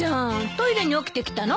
トイレに起きてきたの？